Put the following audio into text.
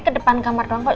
ke depan kamar doang